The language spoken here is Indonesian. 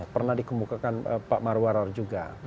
pernah dikemukakan pak marwarar juga